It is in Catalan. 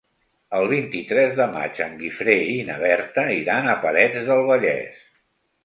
El vint-i-tres de maig en Guifré i na Berta iran a Parets del Vallès.